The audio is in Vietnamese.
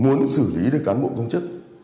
muốn xử lý được cán bộ công chức